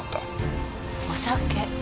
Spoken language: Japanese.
お酒。